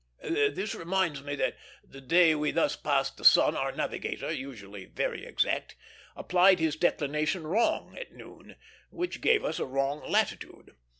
This reminds me that, the day we thus passed the sun, our navigator, usually very exact, applied his declination wrong at noon, which gave us a wrong latitude.